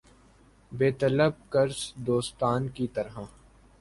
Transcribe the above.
بے طلب قرض دوستاں کی طرح